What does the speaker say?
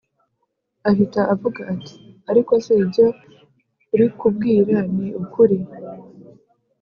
ahita avuga ati”ariko se ibyo urikubwira ni ukuri